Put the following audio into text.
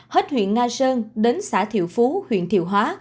hết huyện nga sơn đến xã thiệu phú huyện thiệu hóa